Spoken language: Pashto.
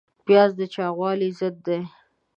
پیاز د چاغوالي ضد دی